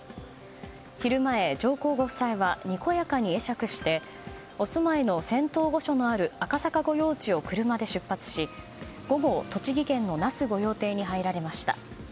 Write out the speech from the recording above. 昼前、上皇ご夫妻はにこやかに会釈してお住まいの仙洞御所のある赤坂御用地を車で出発し、午後、栃木県の那須御用邸に入られました。